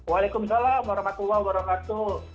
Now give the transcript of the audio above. waalaikumsalam warahmatullahi wabarakatuh